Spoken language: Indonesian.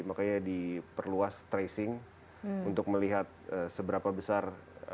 makanya diperluas tracing untuk melihat seberapa besar